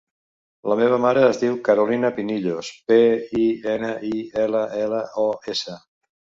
La meva mare es diu Carolina Pinillos: pe, i, ena, i, ela, ela, o, essa.